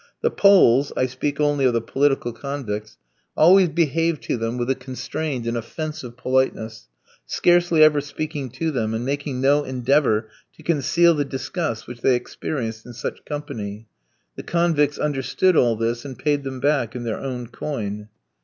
The Poles I speak only of the political convicts always behaved to them with a constrained and offensive politeness, scarcely ever speaking to them, and making no endeavour to conceal the disgust which they experienced in such company. The convicts understood all this, and paid them back in their own coin.